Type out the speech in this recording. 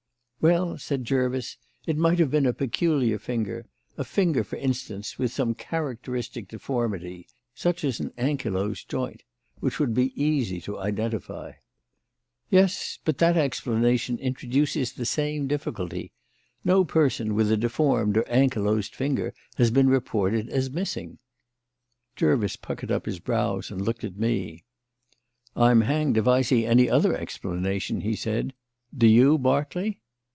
"Well," said Jervis, "it might have been a peculiar finger; a finger, for instance, with some characteristic deformity, such as an ankylosed joint, which would be easy to identify." "Yes; but that explanation introduces the same difficulty. No person with a deformed or ankylosed finger has been reported as missing." Jervis puckered up his brows and looked at me. "I'm hanged if I see any other explanation," he said. "Do you, Berkeley?"